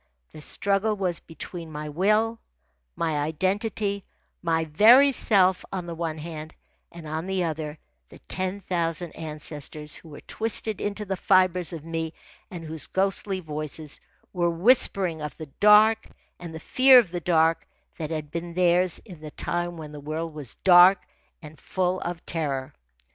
The struggle was between my will, my identity, my very self, on the one hand, and on the other, the ten thousand ancestors who were twisted into the fibres of me and whose ghostly voices were whispering of the dark and the fear of the dark that had been theirs in the time when the world was dark and full of terror.